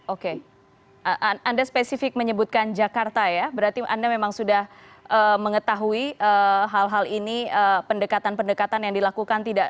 oke anda spesifik menyebutkan jakarta ya berarti anda memang sudah mengetahui hal hal ini pendekatan pendekatan yang dilakukan tidak